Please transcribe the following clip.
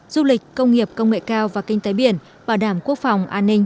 du lịch công nghiệp công nghệ cao và kinh tế biển bảo đảm quốc phòng an ninh